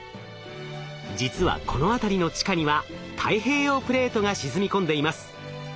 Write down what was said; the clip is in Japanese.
実はこの辺りの地下には太平洋プレートが沈み込んでいます。